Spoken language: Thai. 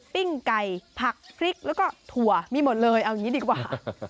ปิ้งไก่ผักพริกแล้วก็ถั่วมีหมดเลยเอาอย่างนี้ดีกว่า